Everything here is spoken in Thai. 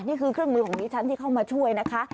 นี่คือเครื่องมือของดิฉันที่เข้ามาช่วยนะคะ